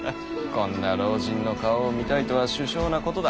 こんな老人の顔を見たいとは殊勝なことだ。